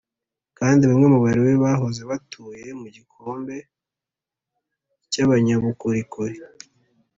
Kandi bamwe mu Balewi bahoze batuye mu gikombe cy’abanyabukorikori